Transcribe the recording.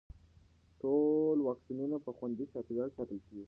ټول واکسینونه په خوندي چاپېریال کې ساتل کېږي.